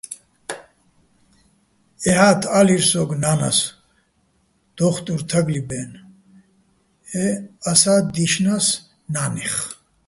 ეჰა́თ ა́ლირ სოგო̆ ნანას, დო́ხტურ თაგლიბ-ა́ჲნო̆-ე́ ასა́ დი́შნა́ს ნანეხ.